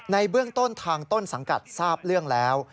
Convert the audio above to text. ในเบื้องต้นทางต้นสังกัดทราบเรื่องแล้ว